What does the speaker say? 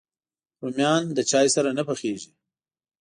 رومیان له چای سره نه پخېږي